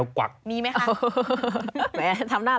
สิ่งศักดิ์สิทธิ์ก็สำคัญนะ